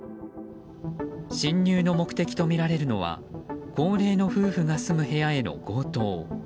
侵入の目的とみられるのは高齢の夫婦が住む部屋への強盗。